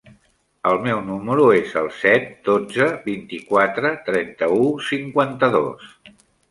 El meu número es el set, dotze, vint-i-quatre, trenta-u, cinquanta-dos.